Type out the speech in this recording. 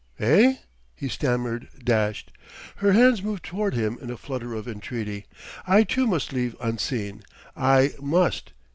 "Eh?" he stammered, dashed. Her hands moved toward him in a flutter of entreaty: "I too must leave unseen I must!